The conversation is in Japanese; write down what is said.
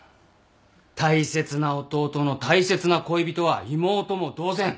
大切な弟の大切な恋人は妹も同然。